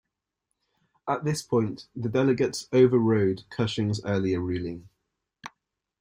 At this point, the delegates overrode Cushing's earlier ruling.